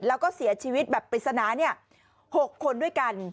แล้วก็เสียชีวิตแบบปริศนา๖คนด้วยกัน